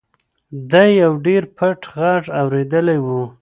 ده یو ډېر پټ غږ اورېدلی و.